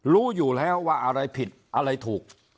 รู้อยู่แล้วว่าอะไรผิดอะไรถูก